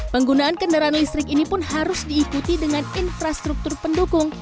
penggunaan kendaraan listrik ini pun harus diikuti dengan infrastruktur pendukung